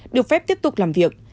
được phép tiếp tục làm việc